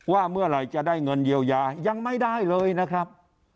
ว่าเมื่อไหร่จะได้เงินเยียวยายังไม่ได้เลยนะครับ